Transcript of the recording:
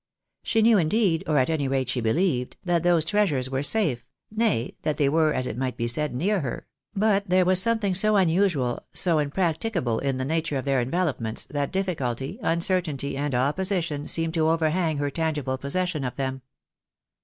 She knew, indeed, or at any rate she believed, that those treasures were safe, nay, that they were, as it might be said, near her ; but there was something so unusual, so impracticable in the nature of their envelopments, that difficulty, uncertainty, and opposition seemed to overhang her tangible possession of them.